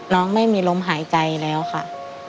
น้องไม่มีลมหายใจแล้วค่ะ